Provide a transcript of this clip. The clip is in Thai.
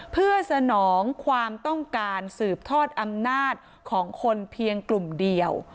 เพื่อสนองความต้องการสืบทอดอำนาจของคนเพียงกลุ่มเดียว